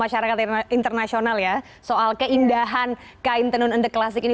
masyarakat internasional ya soal keindahan kain tenun ende klasik ini